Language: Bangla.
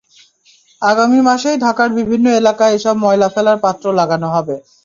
আগামী মাসেই ঢাকার বিভিন্ন এলাকায় এসব ময়লা ফেলার পাত্র লাগানো হবে।